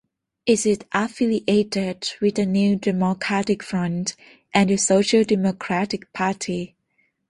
It is affiliated with the New Democratic Front and the Social Democratic Party.